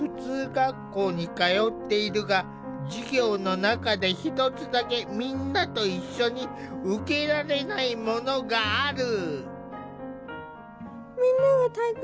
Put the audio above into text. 学校に通っているが授業の中で一つだけみんなと一緒に受けられないものがある。